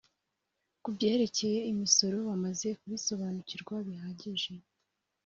ku byerekeye imisoro bamaze kubisobanukirwa bihagije